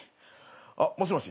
あっもしもし？